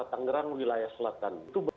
tangerang wilayah selatan itu